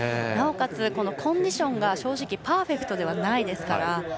なおかつコンディションが正直、パーフェクトではないですから。